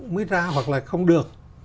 mới ra hoặc là không được